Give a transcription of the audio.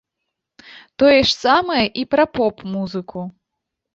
Тое ж самае і пра поп-музыку!